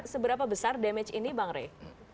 seberapa besar damage ini bang rey